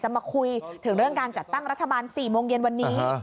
มาคุยถึงเรื่องการจัดตั้งรัฐบาล๔โมงเย็นวันนี้